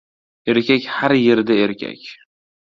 • Erkak har yerda erkak.